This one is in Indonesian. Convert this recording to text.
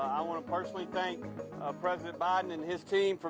saya ingin mengucapkan terima kasih kepada presiden biden dan timnya